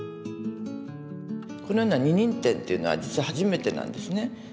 このような二人展っていうのは実は初めてなんですね。